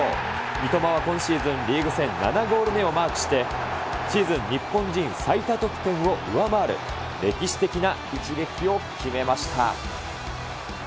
三笘は今シーズン、リーグ戦７ゴール目をマークして、シーズン日本人最多得点を上回る、歴史的な一撃を決めました。